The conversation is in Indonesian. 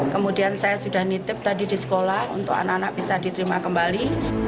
kemudian saya sudah nitip tadi di sekolah untuk anak anak bisa diterima kembali